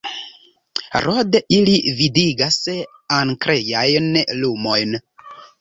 Rode, ili vidigas ankrejajn lumojn.